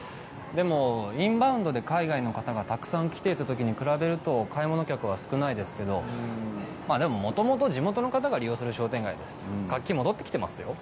でもインバウンドで海外の方がたくさん来ていたときに比べると買い物客は少ないですけどでももともと地元の方が利用する商店街です